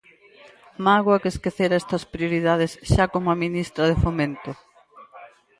Mágoa que esquecera estas prioridades xa como ministra de Fomento.